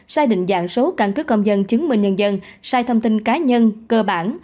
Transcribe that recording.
sai định dạng số căn cứ công dân chứng minh nhân dân sai thông tin cá nhân cơ bản